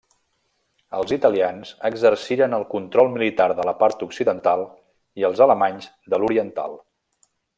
Els italians exercirien el control militar de la part occidental i els alemanys de l'oriental.